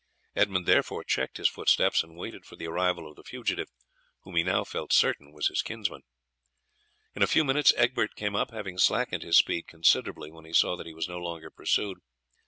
Edmund therefore checked his footsteps and awaited the arrival of the fugitive, who he now felt certain was his kinsman. In a few minutes Egbert came up, having slackened his speed considerably when he saw that he was no longer pursued.